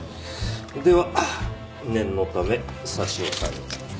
では念のため差し押さえを。